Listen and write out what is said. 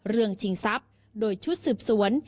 เรื่องชิงทรัพย์โดยชุดสืบสวน